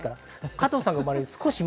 加藤さんが生まれる少し前。